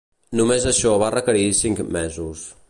Només això va requerir cinc mesos.